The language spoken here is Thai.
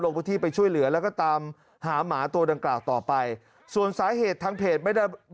พื้นที่ไปช่วยเหลือแล้วก็ตามหาหมาตัวดังกล่าวต่อไปส่วนสาเหตุทางเพจไม่ได้